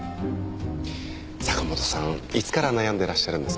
坂本さんいつから悩んでらっしゃるんですか？